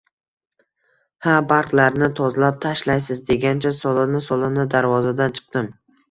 Ha, barglarini tozalab tashlaysiz, degancha sollana-sollana darvozadan chiqdim